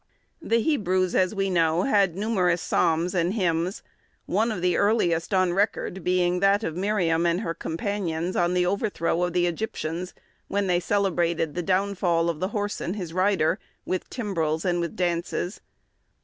The Hebrews, as we know, had numerous psalms and hymns, one of the earliest on record being that of Miriam and her companions, on the overthrow of the Egyptians, when they celebrated the downfall of the horse and his rider, with timbrels and with dances.